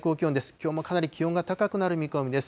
きょうもかなり気温が高くなる見込みです。